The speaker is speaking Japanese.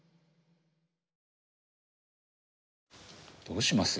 どうします？